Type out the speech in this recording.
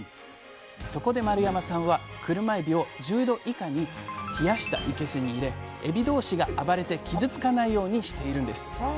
そこで丸山さんはクルマエビを１０℃以下に冷やしたいけすに入れエビ同士が暴れて傷つかないようにしているんです。